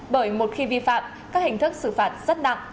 bởi một khi vi phạm các hình thức xử phạt rất nặng